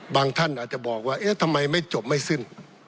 ท่านอาจจะบอกว่าเอ๊ะทำไมไม่จบไม่สิ้น